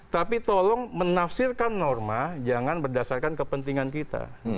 tapi tolong menafsirkan norma jangan berdasarkan kepentingan kita